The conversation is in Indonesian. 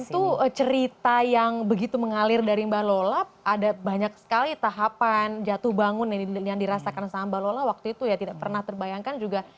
itu cerita yang begitu mengalir dari mbak lola ada banyak sekali tahapan jatuh bangun yang dirasakan sama mbak lola waktu itu ya tidak pernah terbayangkan juga